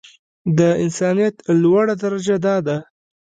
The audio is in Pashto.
د انسانيت لوړه درجه دا ده.